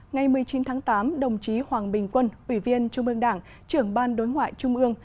ngày một mươi chín tháng tám đồng chí hoàng bình quân ủy viên trung ương đảng trưởng ban đối ngoại trung ương